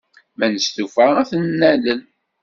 Ma nestufa, ad t-nalel.